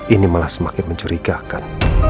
ini malah semakin mencurigakan